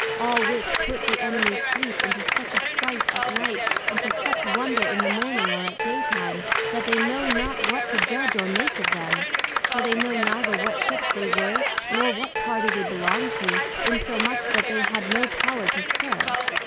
All which put the Enemies Fleet into such a fright at night, and to such wonder in the morning, or at day time, that they know not what to judg or make of them; for they know neither what Ships they were, nor what Party they belonged to, insomuch that they had no power to stir.